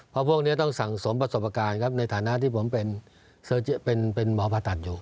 เพราะพวกนี้ต้องสั่งสมประสบการณ์ครับในฐานะที่ผมเป็นหมอผ่าตัดอยู่